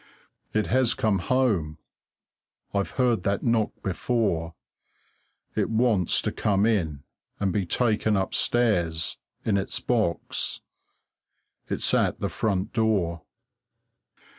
It has come home. I've heard that knock before. It wants to come in and be taken upstairs, in its box. It's at the front door.